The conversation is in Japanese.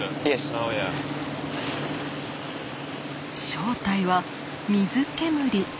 正体は水煙。